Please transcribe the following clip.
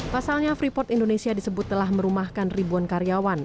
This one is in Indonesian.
pasalnya freeport indonesia disebut telah merumahkan ribuan karyawan